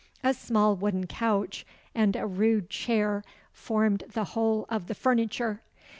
A small wooden couch and a rude chair formed the whole of the furniture.